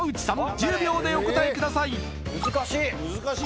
１０秒でお答えください難しい！